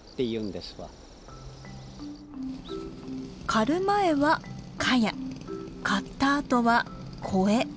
刈る前はカヤ刈ったあとはコエ。